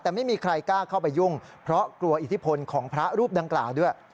แต่ไม่มีใครกล้าเข้าไปยุ่งเพราะกลัวอิทธิพลของพระรูปดังกล่าวด้วย